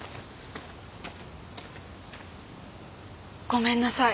ごめんなさい。